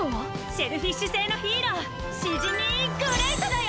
シェルフィッシュ星のヒーローシジミーグレイトだよ！